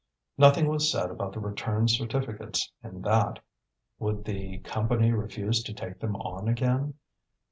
Nothing was said about the returned certificates in that. Would the Company refuse to take them on again?